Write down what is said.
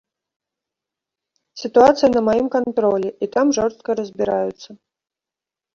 Сітуацыя на маім кантролі, і там жорстка разбіраюцца.